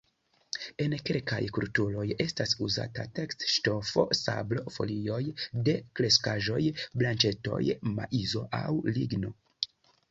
En kelkaj kulturoj estas uzata teks-ŝtofo, sablo, folioj de kreskaĵoj, branĉetoj, maizo aŭ ligno.